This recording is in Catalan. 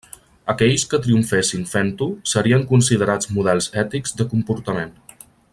Aquells que triomfessin fent-ho, serien considerats models ètics de comportament.